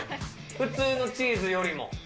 普通のチーズよりも。